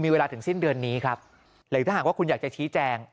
เวลาถึงสิ้นเดือนนี้ครับหรือถ้าหากว่าคุณอยากจะชี้แจง